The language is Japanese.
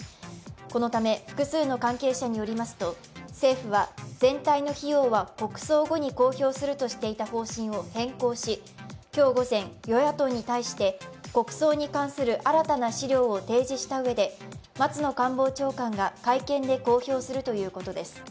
このため複数の関係者によりますと政府は全体の費用は国葬後に公表するとしていた方針を変更し、今日午前、与野党に対して、国葬に関する新たな資料を提示したうえで松野官房長官が会見で公表するということです。